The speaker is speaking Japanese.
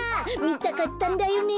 みたかったんだよね。